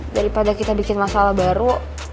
daripada kita bikin masalah baru